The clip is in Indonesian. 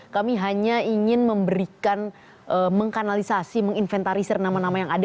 kami hanya ingin memberikan mengkanalisasi menginventarisir nama nama yang ada